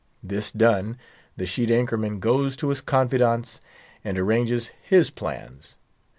This done, the sheet anchor man goes to his confidants, and arranges his plans.